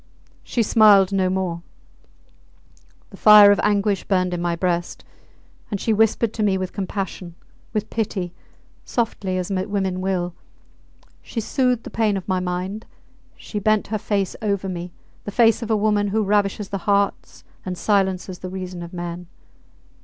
She smiled no more! ... The fire of anguish burned in my breast, and she whispered to me with compassion, with pity, softly as women will; she soothed the pain of my mind; she bent her face over me the face of a woman who ravishes the hearts and silences the reason of men.